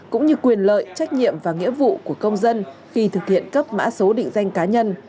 cũng như quyền lợi trách nhiệm và nghĩa vụ của công dân khi thực hiện cấp mã số định danh cá nhân